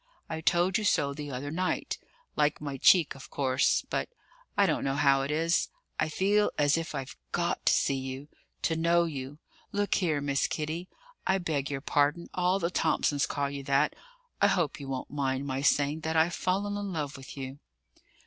I told you so the other night; like my cheek, of course, but I don't know how it is I feel as if I'd got to see you, to know you. Look here, Miss Kitty I beg your pardon, all the Thomsons call you that I hope you won't mind my saying that I've fallen in love with you?"